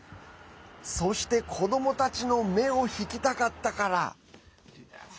そして、子どもたちの目を引きたかったから。